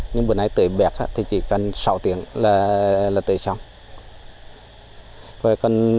nhưng bữa nay tưới bẹt thì chỉ cần sáu tiếng là tưới trong